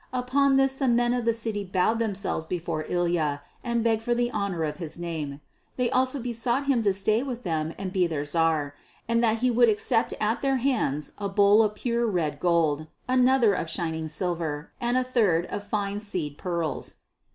Upon this the men of the city bowed themselves before Ilya and begged for the honour of his name. They also besought him to stay with them and be their Tsar, and that he would accept at their hands a bowl of pure red gold, another of shining silver, and a third of fine seed pearls.